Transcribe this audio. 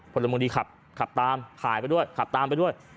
ผลบรรมดีขับขับตามขายไปด้วยขับตามไปด้วย